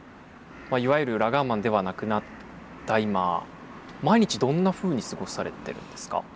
いわゆるラガーマンではなくなった今毎日どんなふうに過ごされてるんですか？